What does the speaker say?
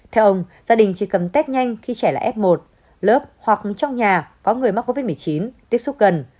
theo ông gia đình chỉ cầm test nhanh khi trẻ là f một lớp hoặc trong nhà có người mắc covid một mươi chín tiếp xúc gần